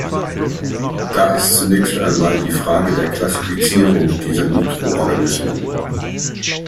Da ist zunächst einmal die Frage der Klassifizierung dieser Mikroorganismen.